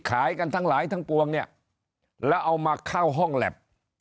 ขายกันทั้งหลายทั้งปวงเนี่ยแล้วเอามาเข้าห้องแล็บ